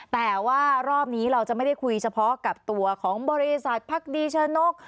แต่ว่ารอบนี้เราจะไม่ได้คุยเฉพาะกับตัวของบริษัทพักดีชะนก